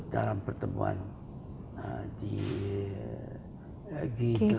dalam pertemuan di g delapan